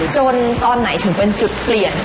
ตอนไหนถึงเป็นจุดเปลี่ยน